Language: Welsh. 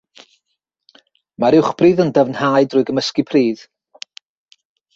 Mae'r uwchbridd yn dyfnhau trwy gymysgu pridd.